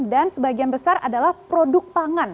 dan sebagian besar adalah produk pangan